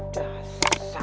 kasar sih bang